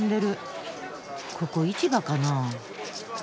ここ市場かな？